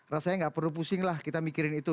rasanya nggak perlu pusing lah kita mikirin itu